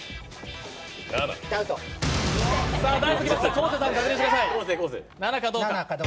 昴生さん、確認してください。